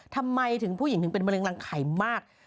ทำไมถึงผู้หญิงถึงเป็นมะเร็รังไข่มาก